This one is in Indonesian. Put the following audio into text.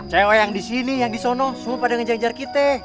cewek yang disini yang disono semua pada ngejengjar kita